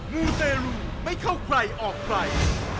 มูเตรลูไม่เข้าใครออกใคร